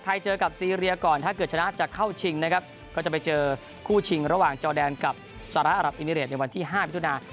เจอกับซีเรียก่อนถ้าเกิดชนะจะเข้าชิงนะครับก็จะไปเจอคู่ชิงระหว่างจอแดนกับสหรัฐอรับอิมิเรตในวันที่๕มิถุนา